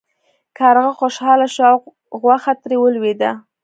کارغه خوشحاله شو او غوښه ترې ولویده.